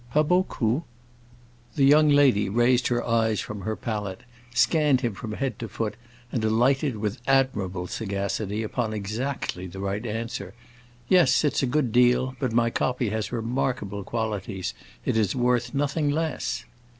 "Pas beaucoup?" The young lady raised her eyes from her palette, scanned him from head to foot, and alighted with admirable sagacity upon exactly the right answer. "Yes, it's a good deal. But my copy has remarkable qualities, it is worth nothing less."